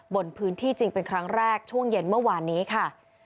บนพื้นที่จริงเป็นครั้งแรกช่วงเย็นเมื่อวานนี้ค่ะ